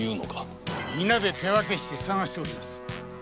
手分けして捜しております。